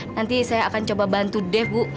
nanti saya akan coba bantu deh bu